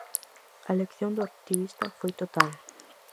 A lección do activista foi total.